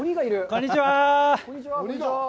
こんにちは。